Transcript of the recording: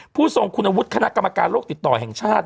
ทรงคุณวุฒิคณะกรรมการโลกติดต่อแห่งชาติ